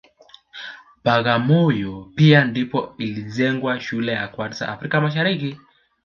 Bagamoyo pia ndipo ilijengwa shule ya kwanza Afrika Mashariki